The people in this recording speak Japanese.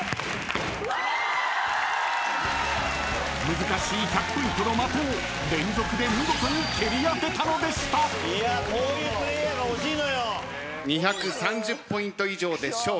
［難しい１００ポイントの的を連続で見事に蹴り当てたのでした！］２３０ポイント以上で勝利。